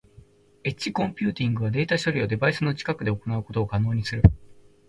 エッジコンピューティングはデータ処理をデバイスの近くで行うことを可能にする。